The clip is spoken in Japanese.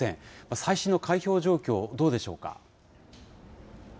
最新の開票状況、どうでしょうか？